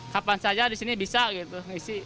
kapan saja disini bisa gitu